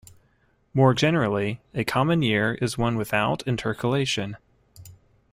More generally, a common year is one without intercalation.